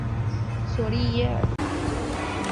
索利耶尔。